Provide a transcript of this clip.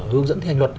hướng dẫn thi hành luật